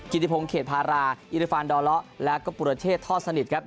ติพงเขตพาราอิริฟานดอเลาะแล้วก็ปุรเทศทอดสนิทครับ